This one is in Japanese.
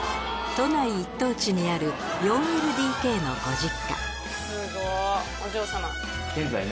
都内一等地にある４ＬＤＫのご